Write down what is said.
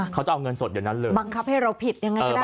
เขาจะเอาเงินสดเดี๋ยวนั้นเลยบังคับให้เราผิดยังไงก็ได้